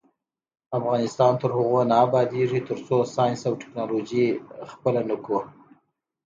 افغانستان تر هغو نه ابادیږي، ترڅو ساینس او ټیکنالوژي خپله نکړو.